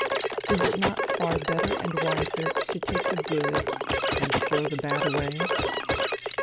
Is it not far better and wiser to take the good and throw the bad away?